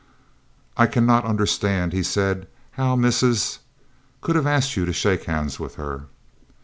"I cannot understand," he said, "how Mrs. could have asked you to shake hands with her."